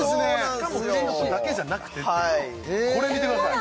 しかもキノコだけじゃなくてこれ見てください